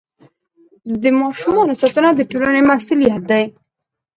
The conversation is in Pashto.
د ماشومانو ساتنه د ټولنې مسؤلیت دی.